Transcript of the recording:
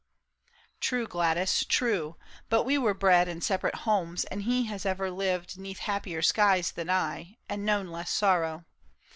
" True, Gladys, true ; But we were bred in separate homes, and he Has ever lived 'neath happier skies than I, And known less sorrow.